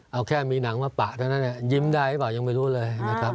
เอาแค่มีหนังมาปะเท่านั้นยิ้มได้หรือเปล่ายังไม่รู้เลยนะครับ